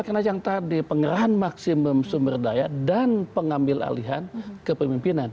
karena yang tadi pengerahan maksimum sumber daya dan pengambil alihan kepemimpinan